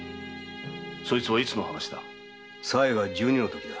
そいつはいつの話だ？さえが十二のときだ。